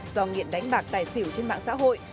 do nghiện đánh bạc tài xỉu trên mạng xã hội